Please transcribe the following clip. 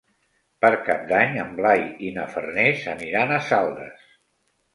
Per Cap d'Any en Blai i na Farners aniran a Saldes.